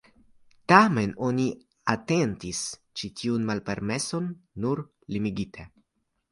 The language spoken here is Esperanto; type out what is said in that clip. Tamen oni atentis ĉi tiun malpermeson nur limigite.